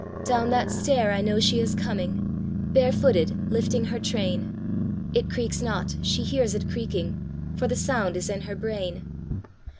Down that stair I know she is coming, Bare footed, lifting her train; It creaks not she hears it creaking, For the sound is in her brain.